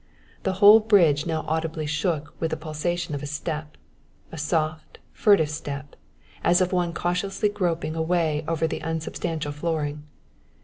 The whole bridge now audibly shook with the pulsation of a step a soft, furtive step, as of one cautiously groping a way over the unsubstantial flooring.